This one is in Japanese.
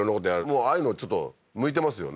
もうああいうのちょっと向いてますよね？